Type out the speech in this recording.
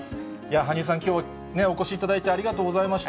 羽生さん、きょうお越しいただいてありがとうございました。